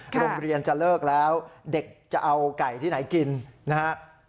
โรงเรียนจะเลิกแล้วเด็กจะเอาไก่ที่ไหนกินนะฮะ